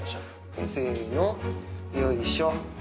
せーの、よいしょ。